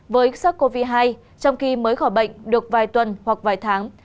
với sars cov hai trong khi mới khỏi bệnh được vài tuần hoặc vài tháng